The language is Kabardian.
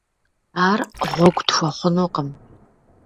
Ахэр гъуэгу тхуэхъунукъым.